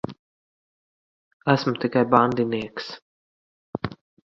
Esmu tikai bandinieks.